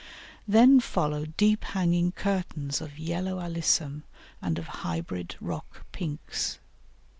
Then follow deep hanging curtains of Yellow Alyssum and of hybrid rock Pinks.